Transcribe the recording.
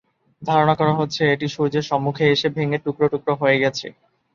ধারণা করে হচ্ছে এটি সূর্যের সম্মুখে এসে ভেঙ্গে টুকরো টুকরো হয়ে গেছে।